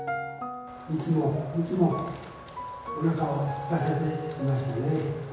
いつもいつも、おなかをすかせていましたね。